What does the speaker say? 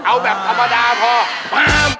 เอาแบบธรรมดาพอปั้ม